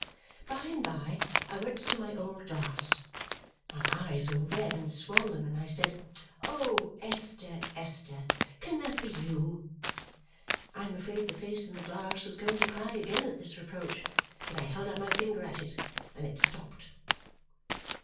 By and by I went to my old glass. My eyes were red and swollen, and I said, "Oh, Esther, Esther, can that be you!" I am afraid the face in the glass was going to cry again at this reproach, but I held up my finger at it, and it stopped.